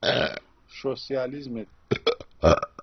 سۆشیالیزمت